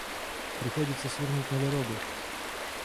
Приходится свернуть на дорогу.